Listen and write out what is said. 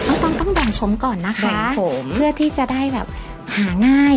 น้องต้องต้องแหวนผมก่อนนะคะเพื่อที่จะได้หาง่าย